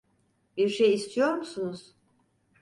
Bir şey istiyor musunuz?